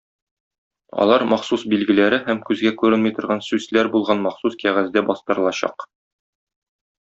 Алар махсус билгеләре һәм күзгә күренми торган сүсләр булган махсус кәгазьдә бастырылачак.